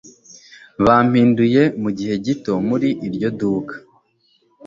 Bampinduye mugihe gito muri iryo duka